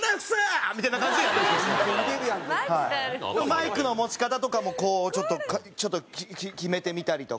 マイクの持ち方とかもこうちょっと決めてみたりとか。